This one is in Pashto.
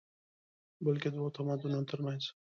بلکې دوو تمدنونو تر منځ